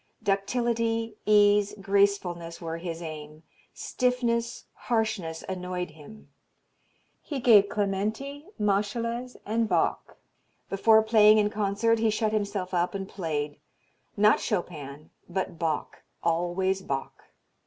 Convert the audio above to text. Ductility, ease, gracefulness were his aim; stiffness, harshness annoyed him. He gave Clementi, Moscheles and Bach. Before playing in concert he shut himself up and played, not Chopin but Bach, always Bach.